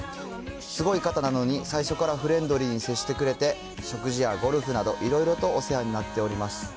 すごい方なのに、最初からフレンドリーに接してくれて、食事やゴルフなど、いろいろとお世話になっております。